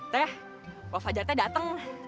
teh wafat jatah dateng